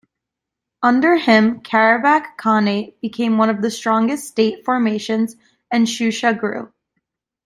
Under him Karabakh khanate became one of the strongest state formations and Shusha grew.